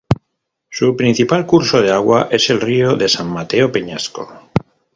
Su principal curso de agua es el río de San Mateo Peñasco.